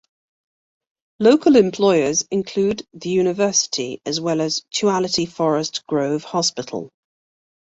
Local employers include the university as well as Tuality Forest Grove Hospital.